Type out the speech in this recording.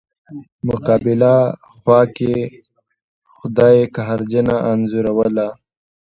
مقابله خوا کې خدای قهرجنه انځوروله.